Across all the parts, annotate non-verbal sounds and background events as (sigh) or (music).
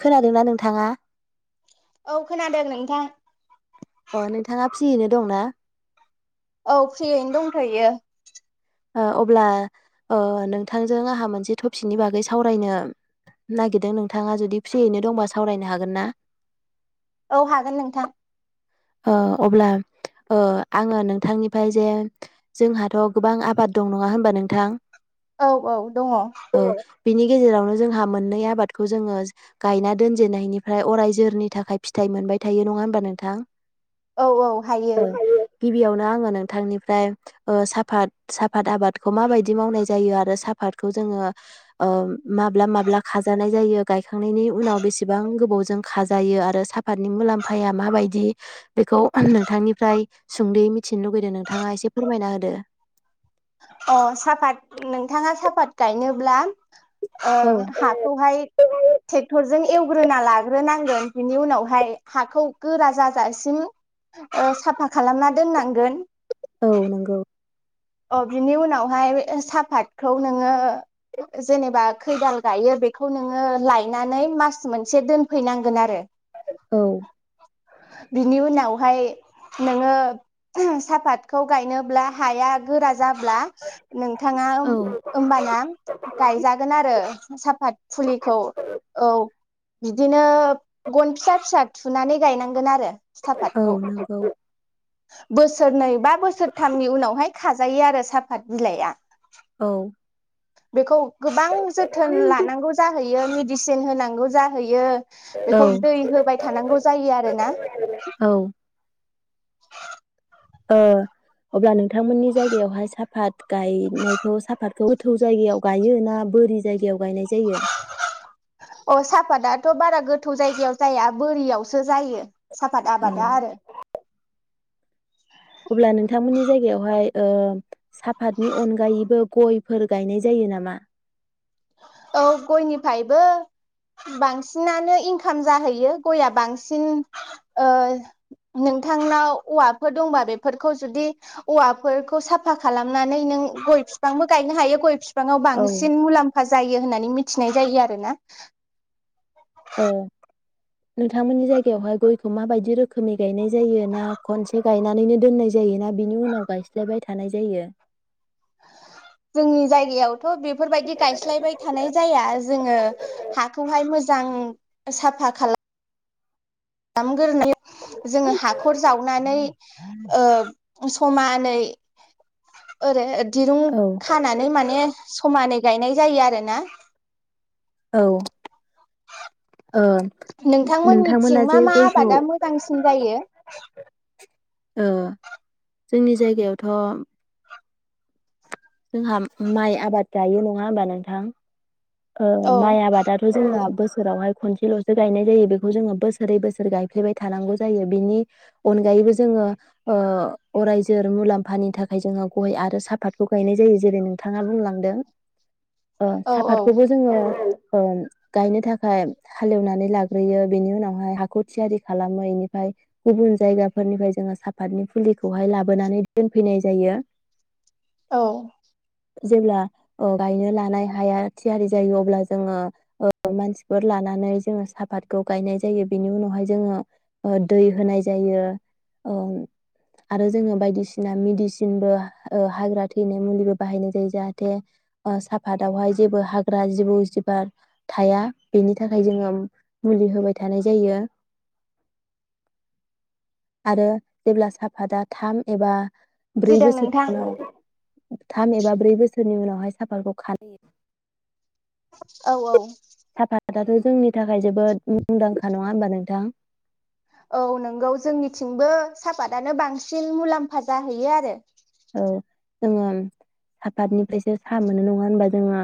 खोनादोंना नोंथाङा? औ खोनादों नोंथां अ नोंथाङा फ्रियैनो दंना? औ फ्रियैनो दंथ'यो ओ अब्ला ओ नोंथांजों आहा मोनसे टपिकनि बागै सावरायनो नागिरदों नोंथाङा जुदि फ्रियैनो दंबा सावरायनो हागोन ना? औ हागोन नोंथां ओ अब्ला ओ आङो नोंथांनिफ्राय जे जोंहाथ' गोबां आबाद दं नङा होनबा नोंथां औ औ दङ औ बिनि गेजेरावनो जोंहा मोननै आबादखौ जोङो गायना दोनजेननायनिफ्राय अराय जोरनि थाखाय फिथाइ मोनबाय थायो नङा होमबा नोंथां औ औ हायो (unintelligible) गिबियावनो आङो नोंथांनिफ्राय ओ साफात साफत आबादखौ माबायदि मावनाय जायो आरो साफातखौ जोङो ओ माब्ला माब्ला खाजानाय जायो गायखांनायनि उनाव बेसेबां गोबावजों खाजायो आरो साफातनि मुलाम्फाया माबायदि बेखौ नोंथांनिफ्राय सुंद'यै मिथिनो लुुगैदों नोंथाङा एसे फोरमायना होदो अ साहाफात नोंथाङा साफात गायनोब्ला ओ औ हाखौहाय टेक्टरजों एवग्रोना लाग्रोनांगोन बिनि उनावहाय हाखौ गोरा जाजासिम ओ साफा खालामना दोननांगोन औ नंगौ अ बिनि उनावहाय साहापातखौ नोङो जेनेबा खैदाल गायो बेखौ नोङो लायनानै मास मोनसे दोनफैनांगोन आरो औ बिनि उनावहाय नोङो सापातखौ गायनोब्ला हाया गोरा जाब्ला नोंथाङा औ ओमबाना गायजागोन आरो साफ फात फुलिखौ औ बिदिनो गन फिसा फिसा थुनानै गायनांगोन आरो औ सापातखौ नंगौ बोसोरनै बा बोसोरथामनि उनावहाय खाजायो आरो साफात बिलाइआ औ बेखौ गोबां जोथोन लानांगौ जाहैयो । यो मेदिसिन होनांगौ जाहैयो । औ बेखौ दै होबाय थानांगौ जायो आरोना । औ (inaudible) ओ अब्ला नोंथांमोननि जायगायावहाय साफात गायनायखौ साफात गोथौ जायगायाव गायो ना बोरि जायगायाव गायनाय जायो अ साहाफादाथ' बारा गो गोथौ जायगायाव जाया बोरियावसो जायो । साफाद औ आबादा आरो अब्ला नोंथांमोननि जायगायावहाय ओ साफतनि अनगायैबो गयफोर गायनाय जायो नामा? औ गयनिफ्रायबो बांसिनानो इनकाम जाहैयो गयआ बांसिन ओ नोंथांनाव औवाफोर दंबा बेफोरखौ जुदि औवाफोरखौ साफा खालामनानै नों गय बिफांबो गायनो हायो गय फिफां फिफाङाव औ बांसिन मुलाम्फा जायो होननानै मिथिनाय जायो आरोना । औ नोंथांमोननि जायगायावहाय गयखौ माबायदि रोखोमनि गायनाय जायो ना खनसे गायनानैनो दोननाय जायो ना बिनि उनाव गायस्लायबाय थानाय जायो । जोंनि जायगायाव थ' बेफोरबायदि गायस्लायबाय थानाय जाया जोङो हाखौहाय मो जां साफा खालाम खालाम ग्रोनानै जोङो हाखर जावनानै ओ समानै ओरै दिरुं औ खानानै माने समानै गायनाय जायो आरो ना । औ ओ नोंथांमोना नोंथांमोननिथिं जे मा मा गयखौ आबादा मोजांसिन जायो? ओ जोंनि जायगायावथ' जोंहा माइ आबाद जायो नङा होमबा नोंथां? ओ औ माइ आबादाथ' जोंना बो सोरावहाय खनसेल'सो गायनाय जायो बेखौ जोङो बोसोरै बोसोर गायफ्लेबाय थानांगौ जायो बिनि अनगायैबो जोङो ओ अरायजोर मुलामफानि थाखाय जोङो गय आरो साफातखौ गायनाय जायो जेरै नोंथाङा बुंलांदों । अ औ औ साफात खौबो जोङो ओ औ औ गायनो थाखाय हालेवनानै लाग्रोयो बेनि उनावहाय हाखौ थियारि खालामो बेनिफ्राय गुबुन जायगाफोरनिफ्राय जोङो साफातनि फुलिखौहाय लाबोनानै दोनफैनाय जायो । औ जेब्ला ओ गायनो लानाय हाया थियारि जायो अब्ला जोङो ओ मानसिफोर लानानै जोङो साफातखौ गायनाय जायो बेनि उनावहाय जोङो ओ दै होनाय जायो ओ आरो जोङो बायदिसिना मेडिसिनबो ओ हाग्रा थैनाय मुलिबो बाहायनाय जायो जाहाथे ओ साफातावहाय जेबो हाग्रा जिबौ जिबार थाया बेनि थाखाय जोङो मुलि होबाय थानाय जायो आरो जेब्ला साफाता थाम एबा ब्रै बुजिदों बोसोर नोंथां उनाव थाम एबा ब्रै बोसोरनि उनावहाय साफातखौ खानो होयो औ औ साफाताथ' जोंनि थाखाय जोबोद मुंदांखा नङा होनबा नोंथां औ नोंगौ जोंनिथिंबो सापातआनो बांसिन मुलामफा जाहैयो आरो औ जोङो सापातनिफ्रायसो साहा मोनो नङा होनबा जोङो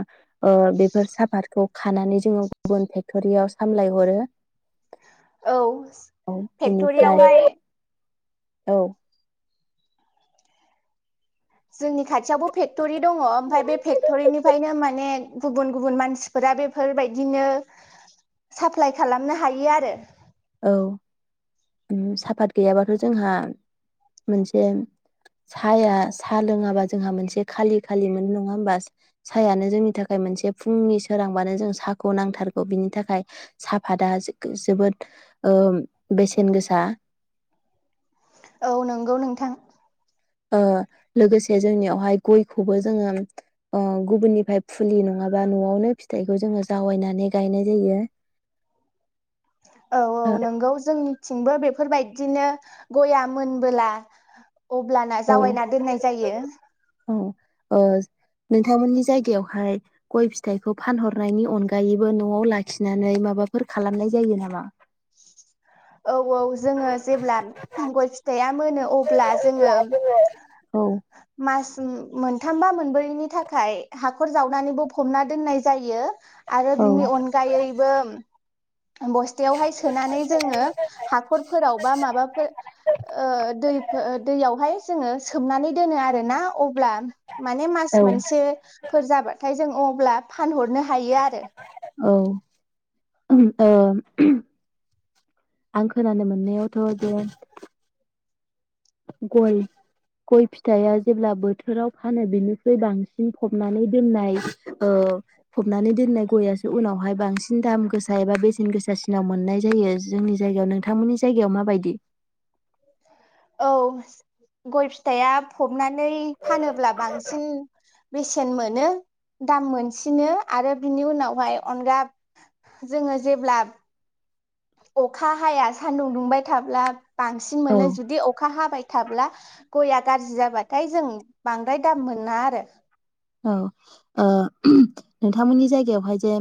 ओ बेफोर सापातखौ खानानै जोङो गुबुन फेक्टरियाव सामलायहरो औ औ बेनिफ्राय फेक्ट'रियावहाय औ जोंनि खा थियावबो फेक्ट'रि दङ ओमफ्राय बे फेक्टरिनिफ्रायनो माने गुबुन गुबुन मानसिफोरा बेफोरबायदिनो साप्लाय खालामनो हायो आरो औ साफात गैयाबाथ' जोंहा मोनसे साया साहा लोङाबा जोंहा मोनसे खालि खालि मोनो नङा होमबा साहायानो जोंनि थाखाय मोनसे फुंनि सोरांबानो जों साहाखौ नांथारगौ बिनि थाखाय साफादा जोबोद ओ बेसेन गोसा औ नंगौ नोंथां ओ लोगोसे जोंनियावहाय गयखौबो जोङो ओ गुबुननिफ्राय फुलि नङाबा न'आवनो फिथाइखौ जोङो जावायनानै गायनाय जायो औ औ नोंगौ जोंनि थिंबो बेफोरबायदिनो गया मोनबोला अब्लाना औ जावायना दोननाय जायो ओ नोंथांमोननि जायगायावहाय गय फिथाइखौ फानहरनायनि अनगायैबो न'आव लाखिनानै माबाफोर खालामनाय जायो नामा औ औ जोङो जेब्ला गय फिथाइया मोनो अब्ला जोङो औ मास मोनथामबा मोनब्रैनि थाखाय हाखर जावनानैबो फमना दोननाय जायो आरो औ बिनि अनगायैबो बस्थायावहाय सोनानै हाखरफोराव बा माबाफोर दै दैयावहाय जोङो सोमनानै दोनो आरोना अब्ला माने मास औ मोनसे फोर जाबाथाय जों अब्ला फानहरनो हायो आरो औ ओ आं खोनानो मोननायावथ' बेे गय गय फिथाइया जेब्ला बोथोराव फानो बेनिख्रुइ बांसिन फबनानै दोननाय ओ फबनानै दोननाय गययासो उनावहाय बांसिन दाम गोसा एबा बेसेन गोसासिनाव मोननाय जायो जोंनि जायगायाव नोंथांमोननि जायगायाव माबायदि औ गय फिथाइया नानै फानोब्ला बांसिन बेसेन मोनो दाम मोनसिनो आरो बिनि उनावहाय अनगा जोङो जेब्ला अखा हाया सानदुं दुंबाय थाब्ला बांसिन औ मोनो जुदि अखा हाबाय थाब्ला गया गाज्रि जाबाथाय जों बांद्राय दाम मोना आरो औ नोंथांमोननि जायगायावहाय जे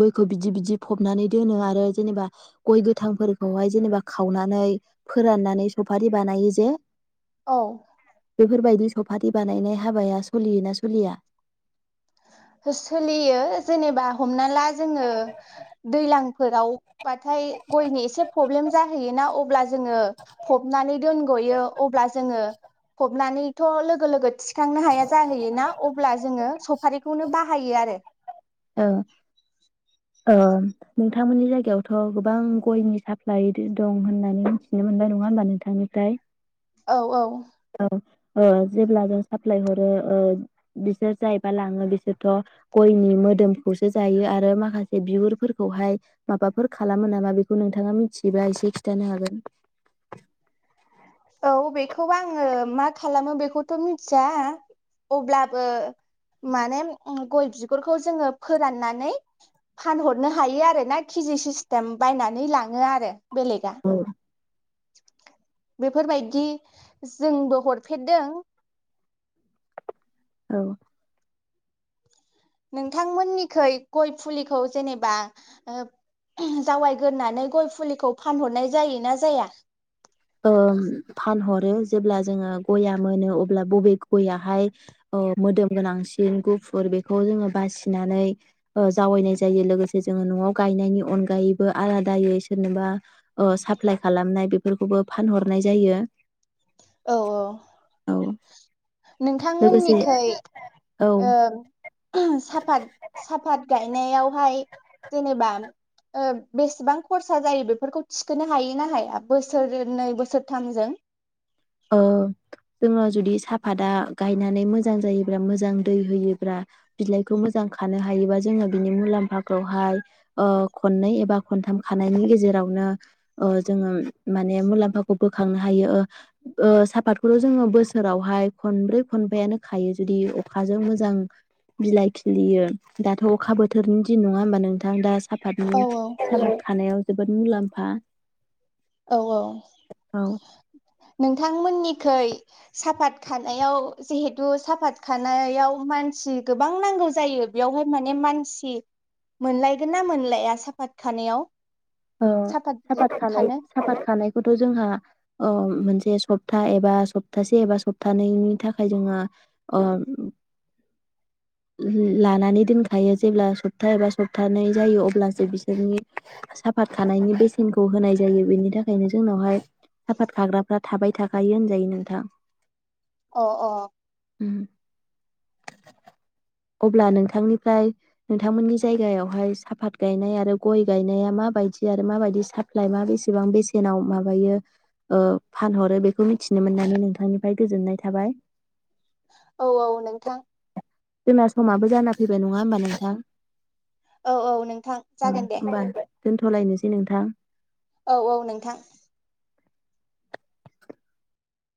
गयखौ बिदि बिदि फबनानै दोनो आरो जेनेबा गय गोथांफोरखौहाय जेनेबा खावनानै फोराननानै सुफारि बानायो जे औ बेफोरबायदि सपारि बानायनाय हाबाया सलियोना सलिया? सोलियो जेनेबा हमना ला जोङो दैज्लांफोरावबाथाय गयनि एसे प्रब्लेम जाहैयोना अब्ला जोङो फबनानै दोनग'यो अब्ला जोङो फबनानैथ लोगो लोगो थि खांनो हाया जाहैयोना अब्ला जोङो सफारि नो बाहायो आरो औ। नोंथांमोननि जायगायावथ' गोबां गयनि साप्लाइ दं होननानै मिथिनो मोनबाय नङा होमबा नोंथांनिफ्राय औ औ। ओ जेब्ला जों साप्लाय हरो ओ बिसोर जायबा लाङो बिसोरथ' गयनि मोदोमखौसो जायो आरो माखासे बे बिगुरफोरखौहाय माबाफोर खालामो नामा? बेखौ नोंथाङा मिथियोबा एसे खिन्थानो हागोन। औ बेखौ आङो मा खालामो बेखौथ' मिथिया अब्लाबो माने गय बिगुरखौ जोङो फोराननानै फानहरनो हायो आर ना केजि सिस्टेम बायनानै लाङो आरो। बेलेगा बेफोरबायदि जोंबो हरफेरदों- औ। नोंथांमोननिखै गय फुलिखौ जेनेबा जावायगोरनानै गय फुलिखौ फानहरनाय जायो ना जाया? ओ फान हर रो जेब्ला जोङो गया मोनो। अब्ला बबे गयाहाय मोदोम गोनांसिन गुफुर बेखौ जोङो बासिनानै जावैनाय जायो। लोगोसे जोङो न'आव गायनायनि अनगायैबो आलादायै सोरनोबा साप्लााय खालामनाय बेफोरखौ खौबो फानहरनाय जायो। औ औ। लोगोसे नोंथांमोननिखै औ ओ साफात साफात गायनायावहाय जेनेबा बेसेबां खरसा जायो बेफोरखौ थिखोनो हायो ना हाया बोसोरनै बोसोरथामजों। ओ जोङो जुदि साहाफादा गायनानै मोजां जायोब्ला मोजां दै होयोब्ला बिलाइखौ मोजां खानो हायोबा जोङो बिनि मुलाम्फाखौहाय खननै एबा खनथाम खानायनि गेजेरावनो जोङो माने मुलाम्फाखौ बोखांनो हायो। साफातखौथ' जोङो बोसोरावहाय खनब्रै खनबानो खायो जुदि अखाजों मोजां बिलाइ खिलियो दाथ' अखा बोथोरनि दिन नङा होमबा नोंथां। औ साफादनि साहा खानायाव जोबोद मुलाम्फा औ औ औ नों नोंथांमोननिखै साफात खानायाव जिहेथु साफात खानायाव मानसि गोबां नांगौ जायो बेयावहाय माने मानसि मोनलायगोन ना मोनलाया साफात खानायाव? साफात बिलाइ खानो साफात खानायखौथ' जोंहा मोनसे सप्ता एबा सप्तासे एबा सप्तानैनि थाखाय जोंहा ओ लानानै दोनखायो जेब्ला सप्ता एबा सप्तानै जायो अब्लासो बिसोरनि साफात खानायनि बेसेनखौ होनाय जायो बेनि थाखायनो जोंनावहाय साफात खाग्राफ्रा थाबाय थाखायो होनजायो नोंथां। अ अ। अब्ला नोंथांनिफ्राय नोंथांमोननि जायगायावहाय साफात गायनाय आरो गय गायनाया माबायदि आरो माबायदि साप्लाइ मा बेसेबां बेसेनाव माबायो फानहरो बेखौ मिथिनो मोननानै नोंथांनिफ्राय गोजोननाय थाबाय। औ औ नोंथां। जोंना समाबो जाना फैबाय नङा होमबा नोंथां? औ औ नोंथां जागोन दे होमबा दोनथ'लायनोसै नोंथां। औ औ नोंथां।